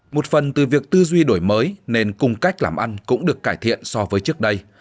một phần từ việc tư duy đổi mới nên cùng cách làm ăn cũng được cải thiện so với trước đây